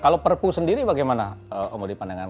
kalau perpu sendiri bagaimana om wadi pandangan